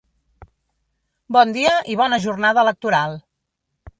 Bon dia i bona jornada electoral.